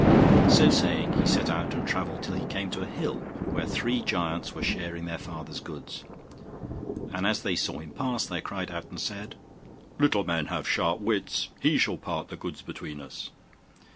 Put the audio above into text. So saying he set out and travelled till he came to a hill, where three giants were sharing their father's goods; and as they saw him pass they cried out and said, 'Little men have sharp wits; he shall part the goods between us.